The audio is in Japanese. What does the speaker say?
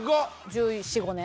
１４１５年？